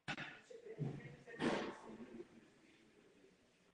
Propojení Cms a Ttl